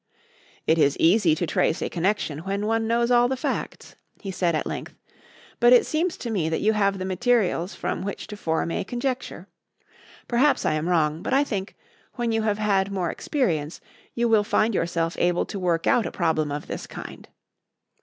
"It is easy to trace a connection when one knows all the facts," he said at length, "but it seems to me that you have the materials from which to form a conjecture. Perhaps I am wrong, but I think, when you have had more experience, you will find yourself able to work out a problem of this kind.